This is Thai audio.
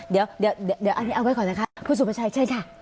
เดี๋ยวอันนี้เอาไว้ก่อนนะคะคุณสุภาชัยเชิญค่ะ